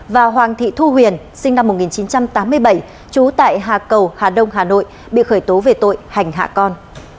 và hoàng thị thu huyền sinh năm một nghìn chín trăm tám mươi bảy trú tại hà cầu hà đông hà nội bị khởi tố về tội hành hạ con